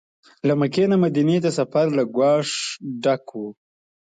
له مکې نه مدینې ته سفر له ګواښه ډک و.